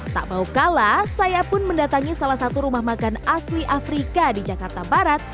tak mau kalah saya pun mendatangi salah satu rumah makan asli afrika di jakarta barat